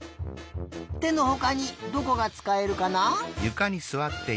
てのほかにどこがつかえるかな？